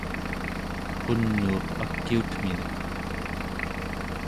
qunuuq akiutminek